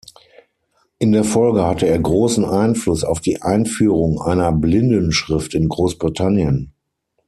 In der Folge hatte er großen Einfluss auf die Einführung einer Blindenschrift in Großbritannien.